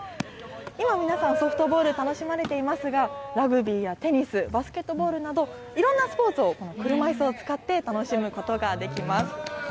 今、皆さん、ソフトボール楽しまれていますが、ラグビーやテニス、バスケットボールなど、いろんなスポーツをこの車いすを使って楽しむことができます。